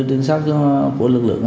trừ quen mấy cái công